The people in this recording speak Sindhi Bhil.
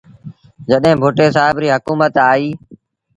جڏهيݩ ڀُٽي سآب ريٚ هڪومت آئيٚ۔